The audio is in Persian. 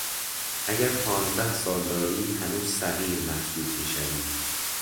اگر پانزده سال داری هنوز صغیر محسوب میشوی